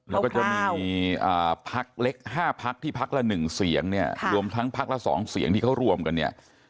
แล้วก็จะมี๕พักที่พักละ๑เสียงรวมพักละ๒เสียงที่เค้ารวมกัน